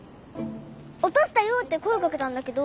「おとしたよ」ってこえかけたんだけど。